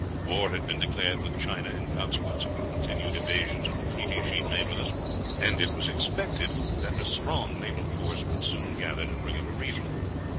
War had been declared with China in consequence of her continued evasions of the treaty she had made with us, and it was expected that a strong naval force would soon gather to bring her to reason.